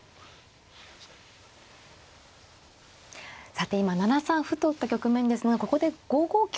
さて今７三歩と打った局面ですがここで５五香と打ちますと。